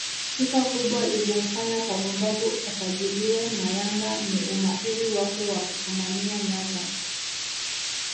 Sifa kubwa iliyomfanya Kavumbagu asajiliwe na Yanga ni umahiri wake wa kufumania nyavu